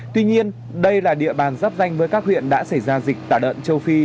tuy nhiên đây là địa bàn giáp danh với các huyện đã xảy ra dịch tả lợn châu phi